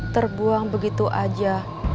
terbuang begitu aja